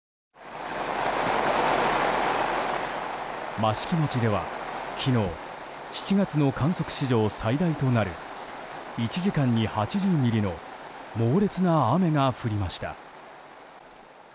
益城町では、昨日７月の観測史上最大となる１時間に８０ミリの猛烈な雨が降りました。